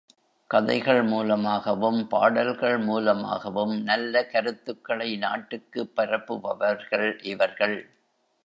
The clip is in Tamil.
கதைகள் மூலமாகவும், பாடல்கள் மூலமாகவும் நல்ல கருத்துகளை நாட்டுக்குப் பரப்புபவர்கள் இவர்கள்.